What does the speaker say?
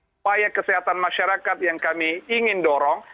upaya kesehatan masyarakat yang kami ingin dorong